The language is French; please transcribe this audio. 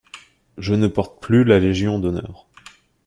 Je ne porte plus la Légion-d’Honneur